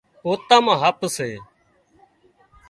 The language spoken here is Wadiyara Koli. پوتان مان هپ سي